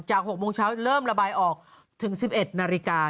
๖โมงเช้าเริ่มระบายออกถึง๑๑นาฬิกา